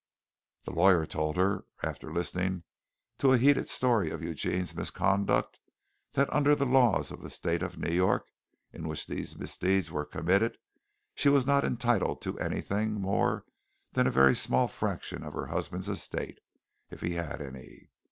The lawyer told her, after listening to a heated story of Eugene's misconduct, that under the laws of the State of New York, in which these misdeeds were committed, she was not entitled to anything more than a very small fraction of her husband's estate, if he had any.